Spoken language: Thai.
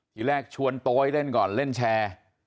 ทีแรกชวนโต๊ยเล่นก่อนเล่นแชร์